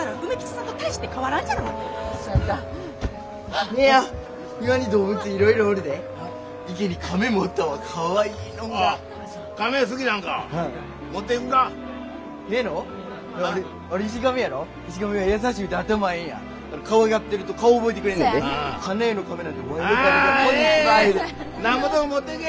なんぼでも持っていけ！